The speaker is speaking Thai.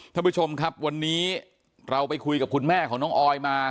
ท่านผู้ชมครับวันนี้เราไปคุยกับคุณแม่ของน้องออยมา